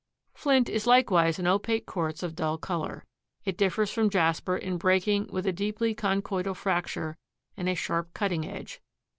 Flint is likewise an opaque quartz of dull color. It differs from jasper in breaking with a deeply conchoidal fracture and a sharp cutting edge.